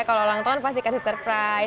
kalau orang tahun pasti kasih surprise